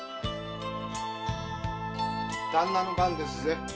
旦那の番ですぜ。